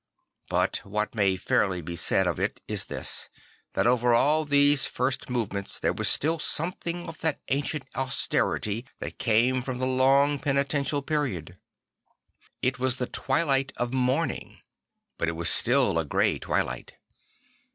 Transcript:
But what may fairly be said of it is this, that over all those first move men ts there was still something of that ancien t austerity that came from the long penitential period. It was the twilight of morning; but it was still a grey twilight.